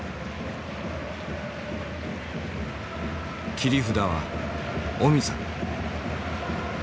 切り札はオミさん。